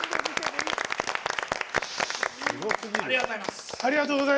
ありがとうございます。